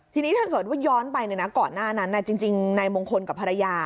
ทีนี้ถ้าเกิดว่าย้อนไปก่อนหน้านั้นจริงนายมงคลกับภรรยา